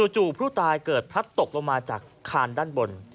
จู่ผู้ตายเกิดพลัดตกลงมาจากคานด้านบน